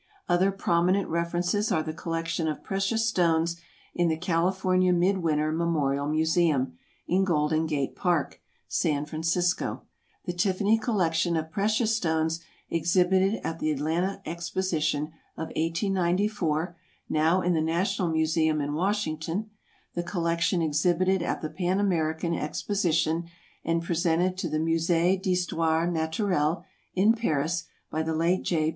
Other prominent references are the collection of precious stones in the California Midwinter Memorial Museum, in Golden Gate Park, San Francisco; the Tiffany collection of precious stones, exhibited at the Atlanta Exposition of 1894, now in the National Museum in Washington; the collection exhibited at the Pan American Exposition, and presented to the Musée d'Histoire Naturelle, in Paris, by the late J.